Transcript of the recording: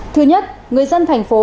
thứ nhất người dân thành phố